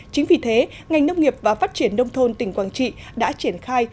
chính vì thế ngành nông nghiệp và phát triển nông thôn tỉnh quảng trị đã triển khai